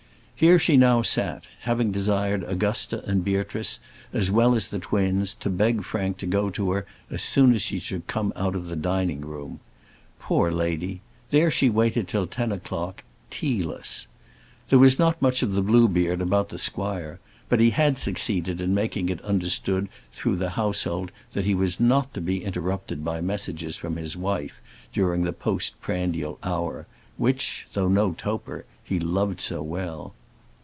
Here she now sat, having desired Augusta and Beatrice, as well as the twins, to beg Frank to go to her as soon as he should come out of the dining room. Poor lady! there she waited till ten o'clock, tealess. There was not much of the Bluebeard about the squire; but he had succeeded in making it understood through the household that he was not to be interrupted by messages from his wife during the post prandial hour, which, though no toper, he loved so well.